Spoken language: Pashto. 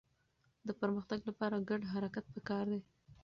د پرمختګ لپاره ګډ حرکت پکار دی.